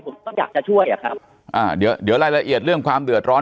ผมก็อยากจะช่วยอ่ะครับอ่าเดี๋ยวเดี๋ยวรายละเอียดเรื่องความเดือดร้อน